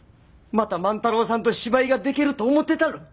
また万太郎さんと芝居ができると思てたのに。